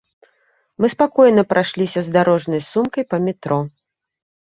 Мы спакойна прайшліся з дарожнай сумкай па метро.